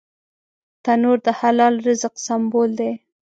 تنور د حلال رزق سمبول دی